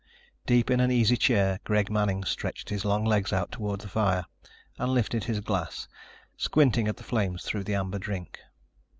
Deep in an easy chair, Greg Manning stretched his long legs out toward the fire and lifted his glass, squinting at the flames through the amber drink.